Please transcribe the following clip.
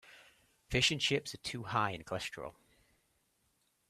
Fish and chips are too high in cholesterol.